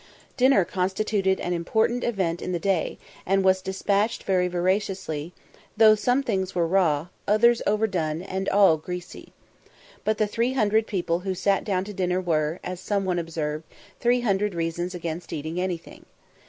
Dinner constituted an important event in the day, and was despatched very voraciously, though some things were raw, others overdone, and all greasy. But the three hundred people who sat down to dinner were, as some one observed, three hundred reasons against eating anything.